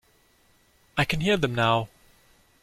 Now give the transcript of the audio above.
I can hear them now.